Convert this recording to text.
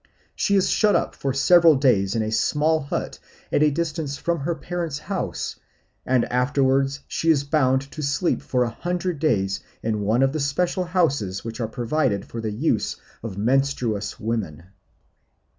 She is shut up for several days in a small hut at a distance from her parents' house, and afterwards she is bound to sleep for a hundred days in one of the special houses which are provided for the use of menstruous women.